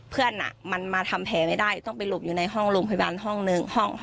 เพื่อนมันมาทำแผลไม่ได้ต้องไปหลบอยู่ในห้องโรงพยาบาลห้องหนึ่งห้อง